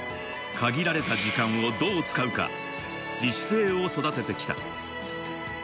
限られた時間をどう使うか、自主性を育ててきた。